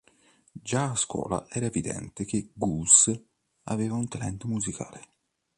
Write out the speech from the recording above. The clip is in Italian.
Già a scuola era evidente che Guus aveva un talento musicale.